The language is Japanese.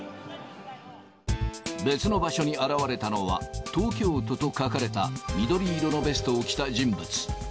別の場所に現れたのは、東京都と書かれた緑色のベストを着た人物。